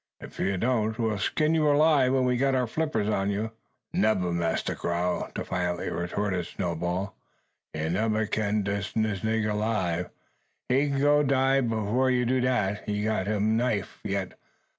If you don't, we'll skin you alive when we've got our flippers upon you." "Nebba, Massa Grow!" defiantly retorted Snowball? "you nebba 'kin dis nigga 'live. He go die 'fore you do dat. He got him knife yet.